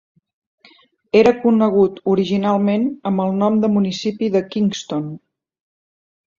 Era conegut originalment amb el nom de municipi de Kingston.